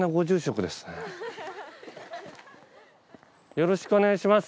よろしくお願いします。